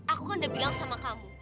aku kan udah bilang sama kamu